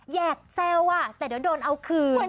แหกแซวแต่เดี๋ยวโดนเอาคืน